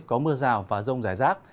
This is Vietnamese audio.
có mưa rào và rông rải rác